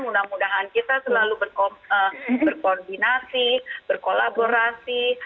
mudah mudahan kita selalu berkoordinasi berkolaborasi